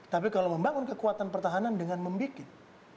tapi kalau membangun kekuatan pertahanan dengan membuat